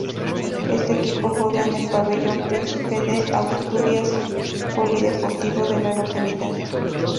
Éste equipo juega en el Pabellón Príncipe de Asturias, polideportivo de la localidad.